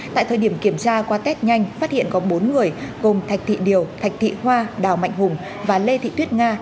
tại thời điểm kiểm tra qua test nhanh phát hiện có bốn người gồm thạch thị điều thạch thị hoa đào mạnh hùng và lê thị tuyết nga